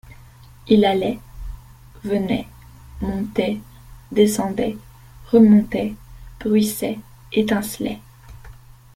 Il allait, venait, montait, descendait, remontait, bruissait, étincelait.